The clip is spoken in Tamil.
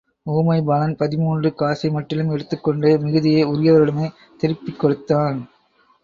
உமைபாலன் பதின்மூன்று காசை மட்டிலும் எடுத்துக் கொண்டு, மிகுதியை உரியவரிடமே திருப்பிக் கொடுத்தான்.